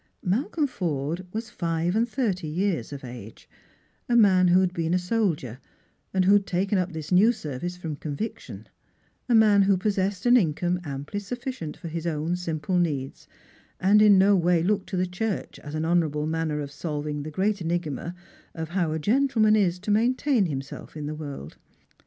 Mal colm Forde was five and thirty years of age ; a man who had been a soldier, and who had taken up tliis new service from conviction ; a man who possessed an income amply sufficient for his own simple needs, and in no way looked to the Church as an honourable manner of solving the great enigma of how a gentle, man is to maintain himself in this world.